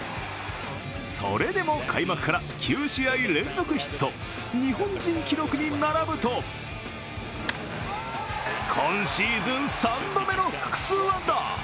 それでも開幕から９試合連続ヒット日本人記録に並ぶと今シーズン３度目の複数安打。